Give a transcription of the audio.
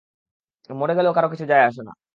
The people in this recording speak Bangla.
মরে গেলেও কারো কিছু যায় আসে না।